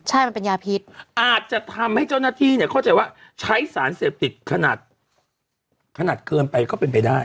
ใช่มันเป็นยาพิษอาจจะทำให้เจ้าหน้าที่เนี่ยเข้าใจว่าใช้สารเสพติดขนาดขนาดเกินไปก็เป็นไปได้